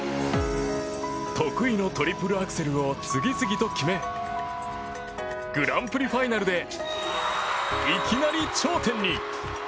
得意のトリプルアクセルを次々と決めグランプリファイナルでいきなり頂点に。